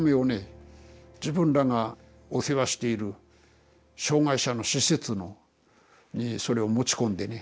自分らがお世話している障害者の施設にそれを持ち込んでね。